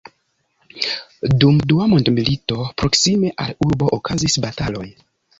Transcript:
Dum Dua mondmilito proksime al urbo okazis bataloj.